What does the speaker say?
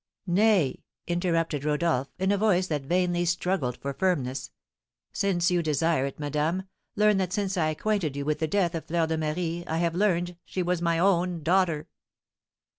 "Nay," interrupted Rodolph, in a voice that vainly struggled for firmness, "since you desire it, madame, learn that since I acquainted you with the death of Fleur de Marie I have learned she was my own daughter."